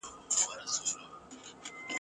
سل روپۍ پور که، یو زوی کابل کي لوی کړه !.